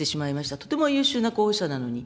とても優秀な候補者なのに。